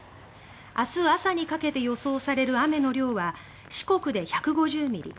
明日朝にかけて予想される雨の量は四国で１５０ミリ